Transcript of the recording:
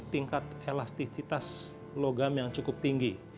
tingkat elastisitas logam yang cukup tinggi